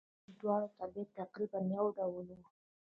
زموږ دواړو طبیعت تقریباً یو ډول وو.